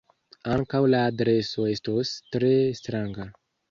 Ankaŭ la adreso estos tre stranga.